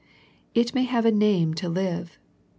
It may have a name to live.